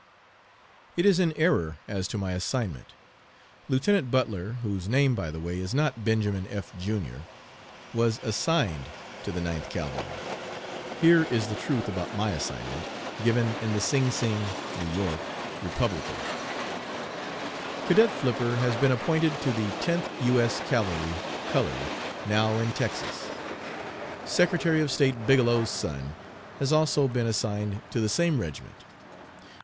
It is in error as to my assignment. Lieutenant Butler (whose name, by the way, is not Benjamin F., Jr.) was assigned to the Ninth Cavalry. Here is the truth about my assignment, given in the Sing Sing (N. Y.) Republican: "Cadet Flipper has been appointed to the Tenth U. S. Cavalry (colored), now in Texas. Secretary of State Bigelow's son has also been assigned to the same regiment.